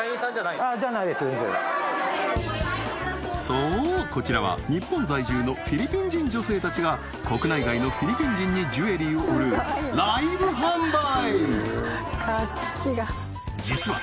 そうこちらは日本在住のフィリピン人女性たちが国内外のフィリピン人にジュエリーを売るライブ販売